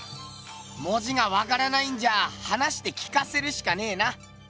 文字がわからないんじゃ話して聞かせるしかねえな。